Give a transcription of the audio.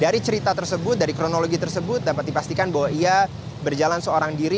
dari cerita tersebut dari kronologi tersebut dapat dipastikan bahwa ia berjalan seorang diri